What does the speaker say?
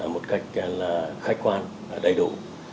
một cách khách quan đầy đủ